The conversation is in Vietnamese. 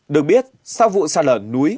được biết sau vụ xa lởn núi